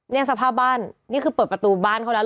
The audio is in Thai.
นี่สภาพบ้านนี่คือเปิดประตูบ้านเขาแล้ว